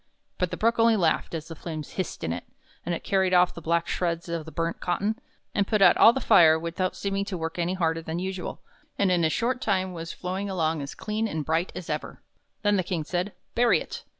But the Brook only laughed as the flames hissed in it, and it carried off the black shreds of the burnt cotton, and put out all the fire without seeming to work any harder than usual, and in a short time was flowing along as clean and bright as ever. Then the King said: " Bury it!"